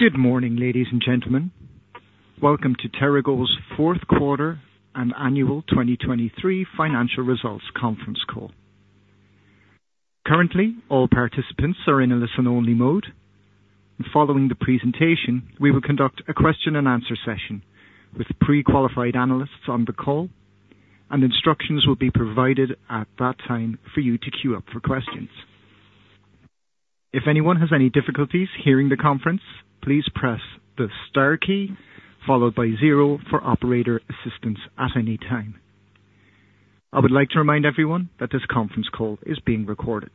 Good morning, ladies and gentlemen. Welcome to TERAGO's fourth quarter and annual 2023 financial results conference call. Currently, all participants are in a listen-only mode. Following the presentation, we will conduct a question-and-answer session with pre-qualified analysts on the call, and instructions will be provided at that time for you to queue up for questions. If anyone has any difficulties hearing the conference, please press the star key followed by zero for operator assistance at any time. I would like to remind everyone that this conference call is being recorded.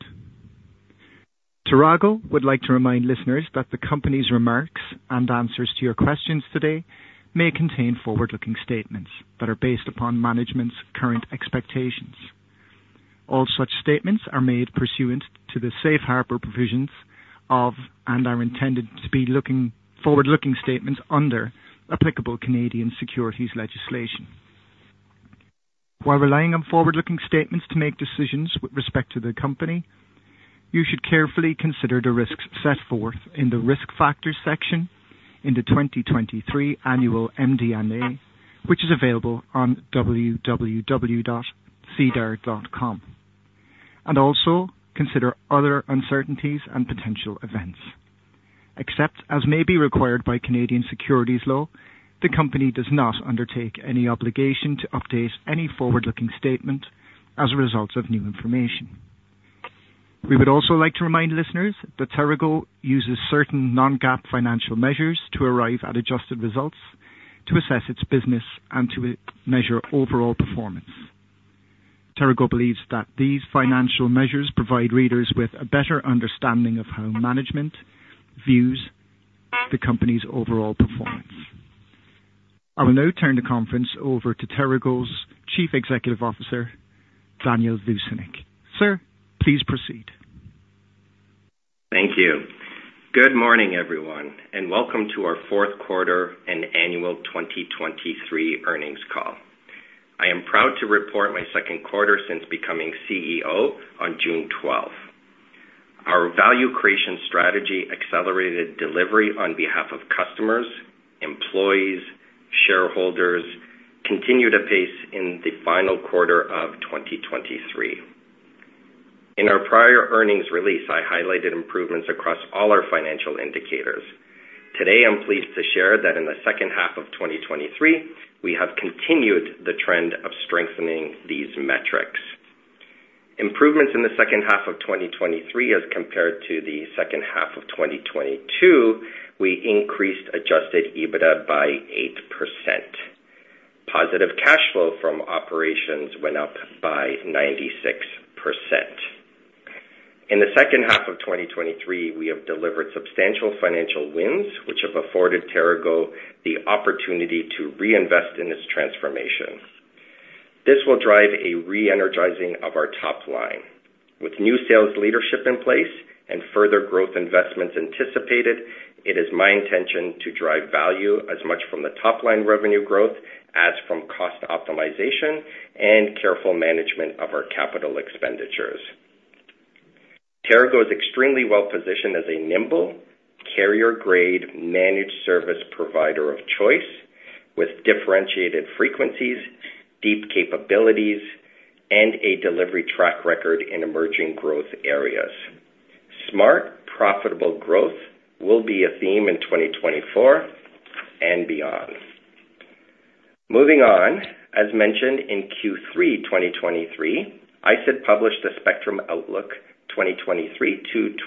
TERAGO would like to remind listeners that the company's remarks and answers to your questions today may contain forward-looking statements that are based upon management's current expectations. All such statements are made pursuant to the safe harbor provisions of and are intended to be forward-looking statements under applicable Canadian securities legislation. While relying on forward-looking statements to make decisions with respect to the company, you should carefully consider the risks set forth in the risk factors section in the 2023 annual MD&A, which is available on www.sedar.com, and also consider other uncertainties and potential events. Except as may be required by Canadian securities law, the company does not undertake any obligation to update any forward-looking statement as a result of new information. We would also like to remind listeners that TERAGO uses certain non-GAAP financial measures to arrive at adjusted results, to assess its business, and to measure overall performance. TERAGO believes that these financial measures provide readers with a better understanding of how management views the company's overall performance. I will now turn the conference over to TERAGO's Chief Executive Officer, Daniel Vucinic. Sir, please proceed. Thank you. Good morning, everyone, and welcome to our fourth quarter and annual 2023 earnings call. I am proud to report my second quarter since becoming CEO on June 12th. Our value creation strategy, accelerated delivery on behalf of customers, employees, shareholders, continued a pace in the final quarter of 2023. In our prior earnings release, I highlighted improvements across all our financial indicators. Today, I'm pleased to share that in the second half of 2023, we have continued the trend of strengthening these metrics. Improvements in the second half of 2023 as compared to the second half of 2022. We increased Adjusted EBITDA by 8%. Positive cash flow from operations went up by 96%. In the second half of 2023, we have delivered substantial financial wins, which have afforded TERAGO the opportunity to reinvest in its transformation. This will drive a re-energizing of our top line. With new sales leadership in place and further growth investments anticipated, it is my intention to drive value as much from the top line revenue growth as from cost optimization and careful management of our capital expenditures. TERAGO is extremely well-positioned as a nimble, carrier-grade, managed service provider of choice with differentiated frequencies, deep capabilities, and a delivery track record in emerging growth areas. Smart, profitable growth will be a theme in 2024 and beyond. Moving on, as mentioned in Q3 2023, ISED published the Spectrum Outlook 2023-2027,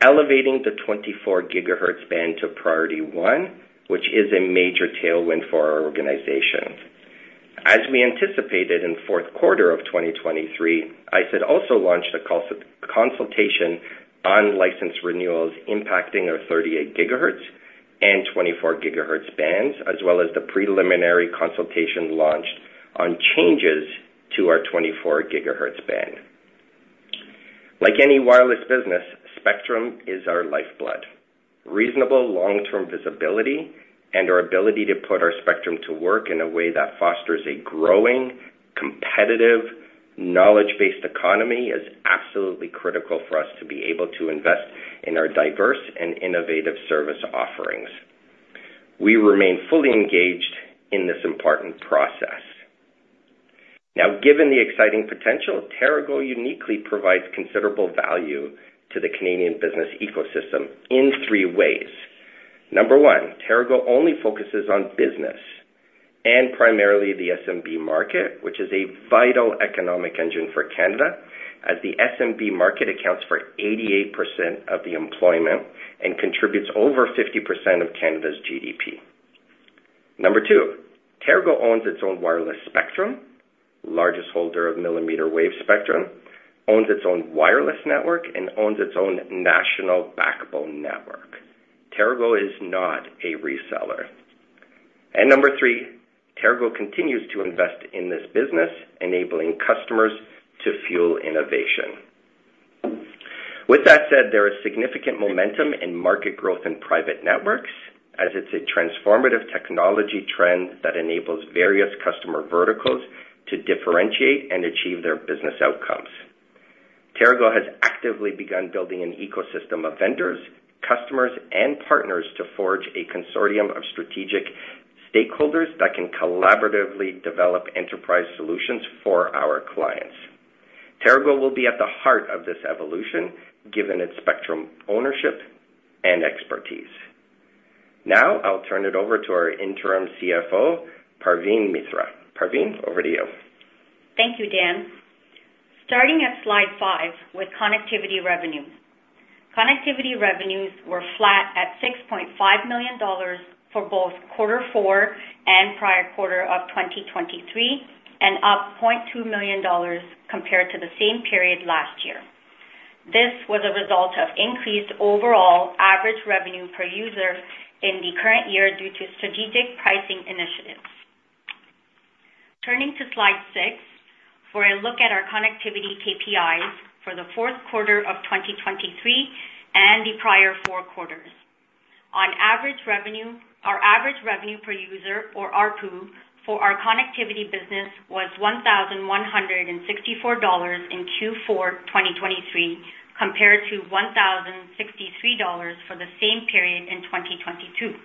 elevating the 24 GHz band to priority one, which is a major tailwind for our organization. As we anticipated in fourth quarter of 2023, ISED also launched a consultation on license renewals impacting our 38 GHz and 24 GHz bands, as well as the preliminary consultation launched on changes to our 24 GHz band. Like any wireless business, spectrum is our lifeblood. Reasonable long-term visibility and our ability to put our spectrum to work in a way that fosters a growing, competitive, knowledge-based economy is absolutely critical for us to be able to invest in our diverse and innovative service offerings. We remain fully engaged in this important process. Now, given the exciting potential, TERAGO uniquely provides considerable value to the Canadian business ecosystem in three ways. Number one, TERAGO only focuses on business and primarily the SMB market, which is a vital economic engine for Canada, as the SMB market accounts for 88% of the employment and contributes over 50% of Canada's GDP. Number two, TERAGO owns its own wireless spectrum, largest holder of millimeter wave spectrum, owns its own wireless network, and owns its own national backbone network. TERAGO is not a reseller. Number three, TERAGO continues to invest in this business, enabling customers to fuel innovation. With that said, there is significant momentum in market growth in private networks, as it's a transformative technology trend that enables various customer verticals to differentiate and achieve their business outcomes. TERAGO has actively begun building an ecosystem of vendors, customers, and partners to forge a consortium of strategic stakeholders that can collaboratively develop enterprise solutions for our clients. TERAGO will be at the heart of this evolution given its spectrum ownership and expertise. Now, I'll turn it over to our Interim CFO, Parveen Mithra. Parveen, over to you. Thank you, Dan. Starting at slide five with connectivity revenues. Connectivity revenues were flat at $6.5 million for both quarter four and prior quarter of 2023, and up $0.2 million compared to the same period last year. This was a result of increased overall average revenue per user in the current year due to strategic pricing initiatives. Turning to slide six for a look at our connectivity KPIs for the fourth quarter of 2023 and the prior four quarters. On average, our average revenue per user, or RPU, for our connectivity business was $1,164 in Q4 2023 compared to $1,063 for the same period in 2022.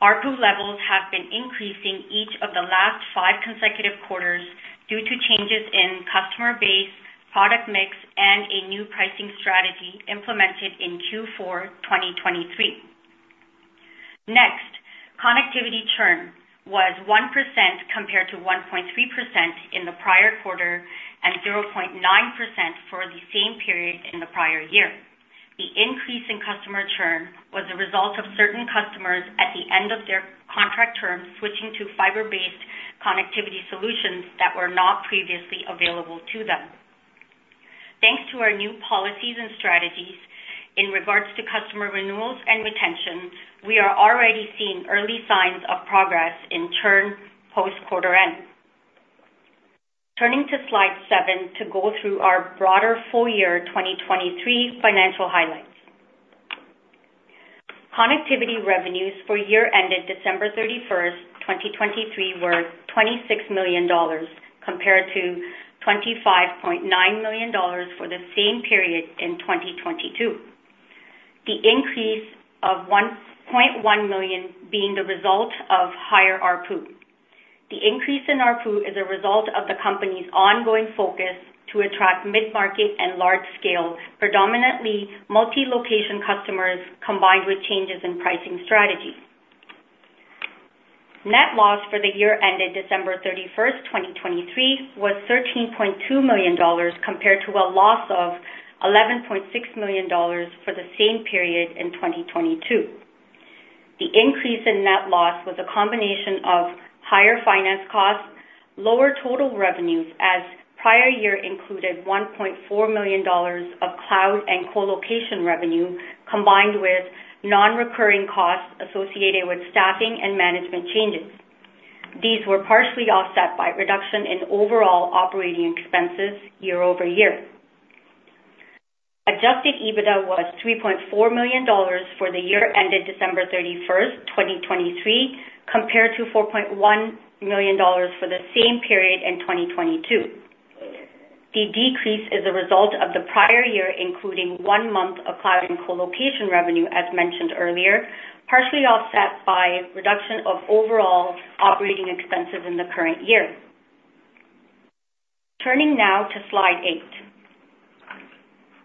RPU levels have been increasing each of the last five consecutive quarters due to changes in customer base, product mix, and a new pricing strategy implemented in Q4 2023. Next, connectivity churn was 1% compared to 1.3% in the prior quarter and 0.9% for the same period in the prior year. The increase in customer churn was a result of certain customers at the end of their contract term switching to fiber-based connectivity solutions that were not previously available to them. Thanks to our new policies and strategies in regards to customer renewals and retention, we are already seeing early signs of progress in churn post-quarter end. Turning to slide seven to go through our broader full-year 2023 financial highlights. Connectivity revenues for year-ended December 31st, 2023, were $26 million compared to $25.9 million for the same period in 2022, the increase of $1.1 million being the result of higher RPU. The increase in RPU is a result of the company's ongoing focus to attract mid-market and large-scale, predominantly multi-location customers combined with changes in pricing strategy. Net loss for the year-ended December 31st, 2023, was $13.2 million compared to a loss of $11.6 million for the same period in 2022. The increase in net loss was a combination of higher finance costs, lower total revenues as prior year included $1.4 million of cloud and colocation revenue combined with non-recurring costs associated with staffing and management changes. These were partially offset by reduction in overall operating expenses year-over-year. Adjusted EBITDA was $3.4 million for the year-ended December 31st, 2023, compared to $4.1 million for the same period in 2022. The decrease is a result of the prior year including one month of cloud and colocation revenue as mentioned earlier, partially offset by reduction of overall operating expenses in the current year. Turning now to slide eight.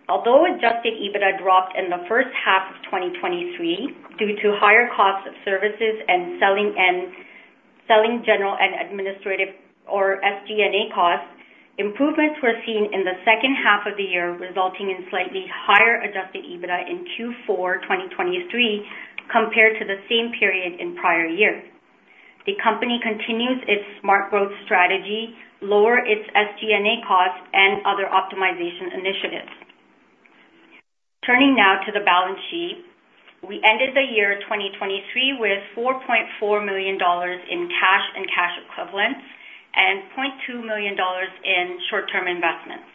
Although Adjusted EBITDA dropped in the first half of 2023 due to higher costs of services and selling general and administrative or SG&A costs, improvements were seen in the second half of the year resulting in slightly higher Adjusted EBITDA in Q4 2023 compared to the same period in prior year. The company continues its smart growth strategy, lower its SG&A costs, and other optimization initiatives. Turning now to the balance sheet, we ended the year 2023 with $4.4 million in cash and cash equivalents and $0.2 million in short-term investments.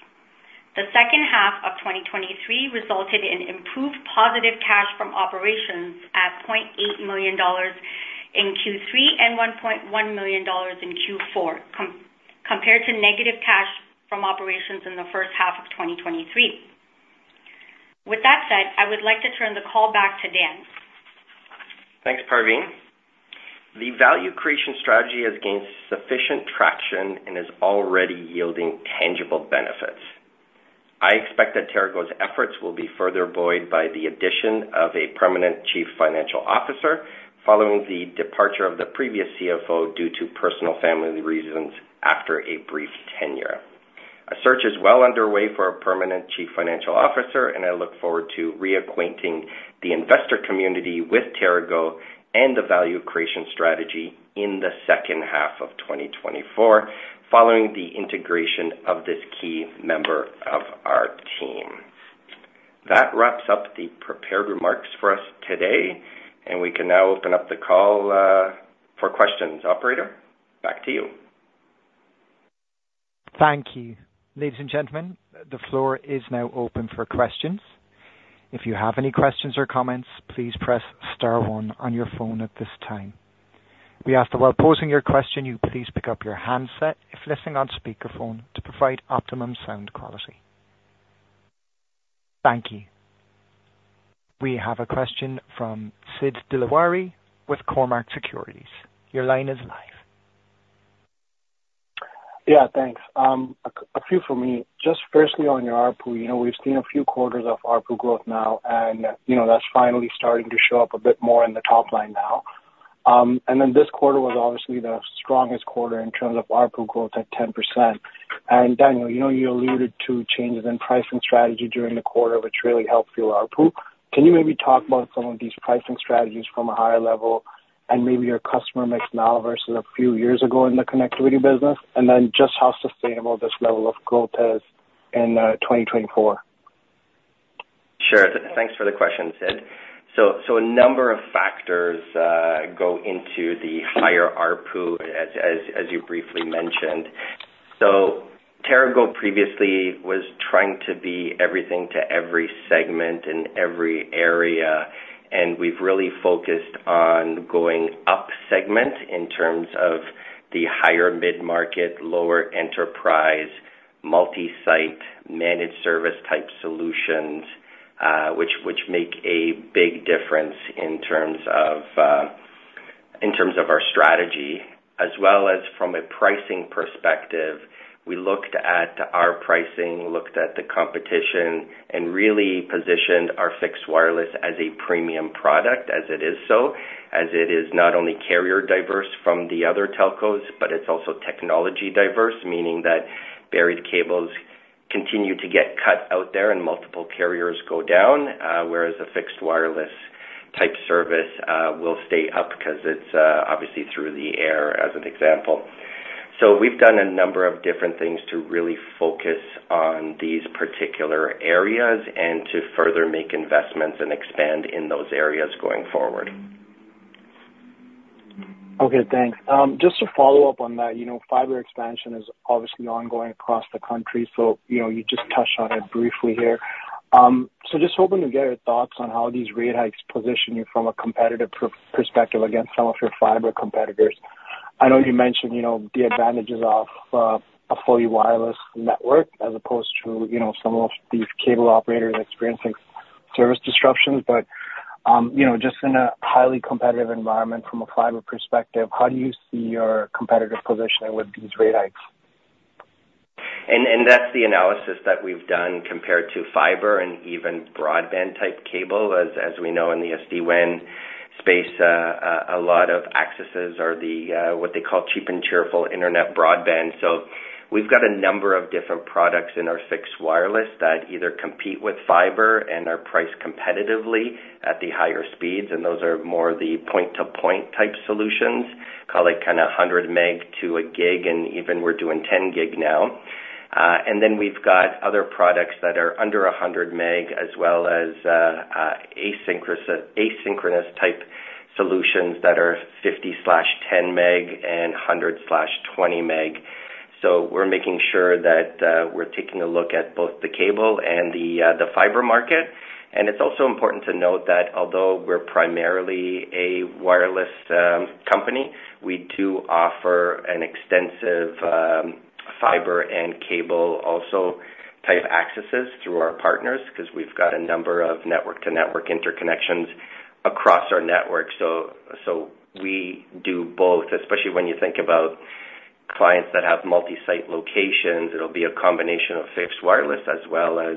The second half of 2023 resulted in improved positive cash from operations at $0.8 million in Q3 and $1.1 million in Q4 compared to negative cash from operations in the first half of 2023. With that said, I would like to turn the call back to Dan. Thanks, Parveen. The value creation strategy has gained sufficient traction and is already yielding tangible benefits. I expect that TERAGO's efforts will be further buoyed by the addition of a permanent chief financial officer following the departure of the previous CFO due to personal family reasons after a brief tenure. A search is well underway for a permanent chief financial officer, and I look forward to reacquainting the investor community with TERAGO and the value creation strategy in the second half of 2024 following the integration of this key member of our team. That wraps up the prepared remarks for us today, and we can now open up the call for questions. Operator, back to you. Thank you. Ladies and gentlemen, the floor is now open for questions. If you have any questions or comments, please press star one on your phone at this time. We ask that while posing your question, you please pick up your handset if listening on speakerphone to provide optimum sound quality. Thank you. We have a question from Sid Dilawari with Cormark Securities. Your line is live. Yeah, thanks. A few for me. Just firstly, on your RPU, we've seen a few quarters of RPU growth now, and that's finally starting to show up a bit more in the top line now. And then this quarter was obviously the strongest quarter in terms of RPU growth at 10%. And Daniel, you alluded to changes in pricing strategy during the quarter, which really helped fuel RPU. Can you maybe talk about some of these pricing strategies from a higher level and maybe your customer mix now versus a few years ago in the connectivity business, and then just how sustainable this level of growth is in 2024? Sure. Thanks for the question, Sid. So a number of factors go into the higher RPU, as you briefly mentioned. So TERAGO previously was trying to be everything to every segment and every area, and we've really focused on going up segment in terms of the higher mid-market, lower enterprise, multi-site, managed service type solutions, which make a big difference in terms of our strategy. As well as from a pricing perspective, we looked at our pricing, looked at the competition, and really positioned our fixed wireless as a premium product as it is so, as it is not only carrier diverse from the other telcos, but it's also technology diverse, meaning that buried cables continue to get cut out there and multiple carriers go down, whereas a fixed wireless type service will stay up because it's obviously through the air as an example. We've done a number of different things to really focus on these particular areas and to further make investments and expand in those areas going forward. Okay, thanks. Just to follow up on that, fiber expansion is obviously ongoing across the country, so you just touched on it briefly here. So just hoping to get your thoughts on how these rate hikes position you from a competitive perspective against some of your fiber competitors. I know you mentioned the advantages of a fully wireless network as opposed to some of these cable operators experiencing service disruptions. But just in a highly competitive environment from a fiber perspective, how do you see your competitive positioning with these rate hikes? That's the analysis that we've done compared to fiber and even broadband type cable. As we know in the SD-WAN space, a lot of accesses are what they call cheap and cheerful internet broadband. We've got a number of different products in our fixed wireless that either compete with fiber and are priced competitively at the higher speeds, and those are more the point-to-point type solutions. Call it kind of 100 Mbps to 1 Gbps, and even we're doing 10 Gbps now. Then we've got other products that are under 100 Mbps as well as asynchronous type solutions that are 50/10 Mbps and 100/20 Mbps. We're making sure that we're taking a look at both the cable and the fiber market. It's also important to note that although we're primarily a wireless company, we do offer an extensive fiber and cable also type accesses through our partners because we've got a number of network-to-network interconnections across our network. We do both, especially when you think about clients that have multi-site locations. It'll be a combination of fixed wireless as well as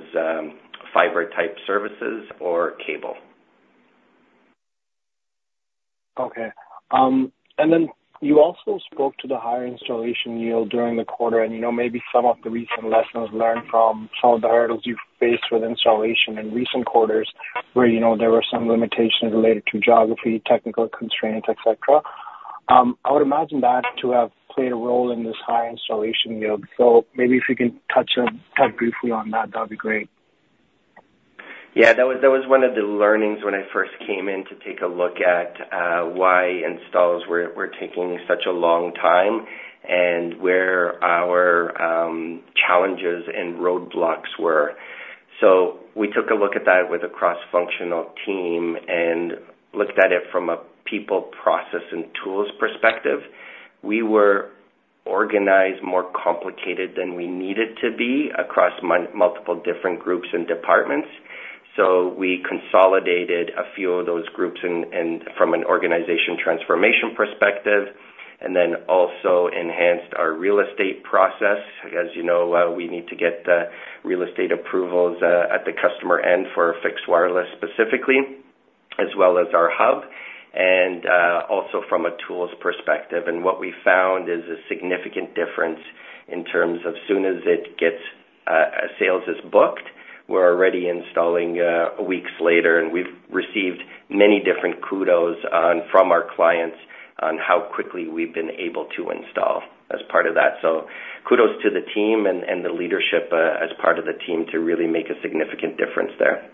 fiber type services or cable. Okay. Then you also spoke to the higher installation yield during the quarter, and maybe some of the recent lessons learned from some of the hurdles you faced with installation in recent quarters where there were some limitations related to geography, technical constraints, etc. I would imagine that to have played a role in this high installation yield. Maybe if you can touch briefly on that, that would be great. Yeah, that was one of the learnings when I first came in to take a look at why installs were taking such a long time and where our challenges and roadblocks were. So we took a look at that with a cross-functional team and looked at it from a people, process, and tools perspective. We were organized more complicated than we needed to be across multiple different groups and departments. So we consolidated a few of those groups from an organization transformation perspective and then also enhanced our real estate process. As you know, we need to get the real estate approvals at the customer end for fixed wireless specifically, as well as our hub, and also from a tools perspective. And what we found is a significant difference in terms of as soon as sales is booked, we're already installing weeks later. We've received many different kudos from our clients on how quickly we've been able to install as part of that. Kudos to the team and the leadership as part of the team to really make a significant difference there.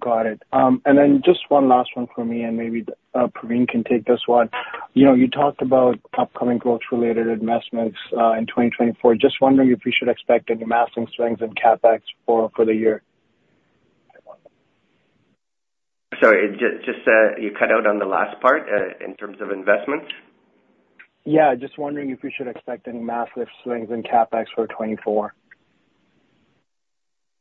Got it. Then just one last one for me, and maybe Parveen can take this one. You talked about upcoming growth-related investments in 2024. Just wondering if we should expect any massive swings in CapEx for the year. Sorry, you cut out on the last part in terms of investments. Yeah, just wondering if we should expect any massive swings in CapEx for 2024?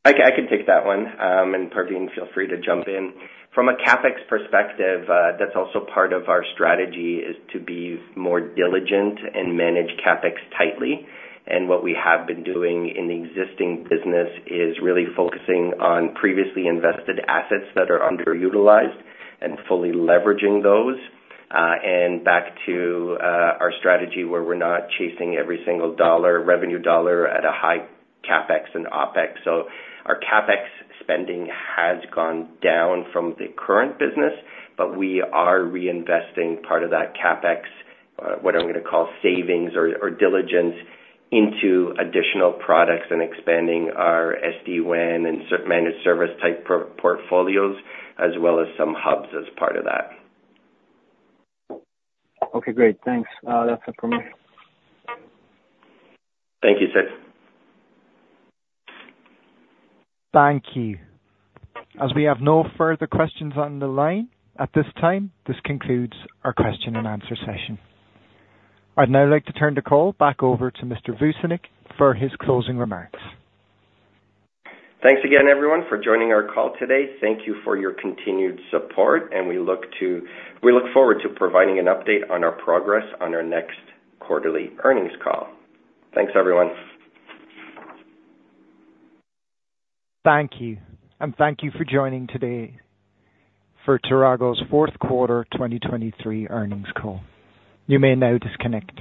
I can take that one, and Parveen, feel free to jump in. From a CapEx perspective, that's also part of our strategy is to be more diligent and manage CapEx tightly. And what we have been doing in the existing business is really focusing on previously invested assets that are underutilized and fully leveraging those. And back to our strategy where we're not chasing every single revenue dollar at a high CapEx and OpEx. So our CapEx spending has gone down from the current business, but we are reinvesting part of that CapEx, what I'm going to call savings or diligence, into additional products and expanding our SD-WAN and managed service type portfolios as well as some hubs as part of that. Okay, great. Thanks. That's it from me. Thank you, Sid. Thank you. As we have no further questions on the line at this time, this concludes our question and answer session. I'd now like to turn the call back over to Mr. Vucinic for his closing remarks. Thanks again, everyone, for joining our call today. Thank you for your continued support, and we look forward to providing an update on our progress on our next quarterly earnings call. Thanks, everyone. Thank you. Thank you for joining today for TERAGO's fourth quarter 2023 earnings call. You may now disconnect.